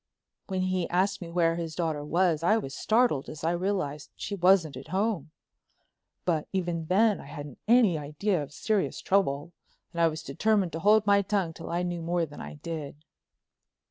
When he asked me where his daughter was I was startled as I realized she wasn't at home. But, even then, I hadn't any idea of serious trouble and I was determined to hold my tongue till I knew more than I did.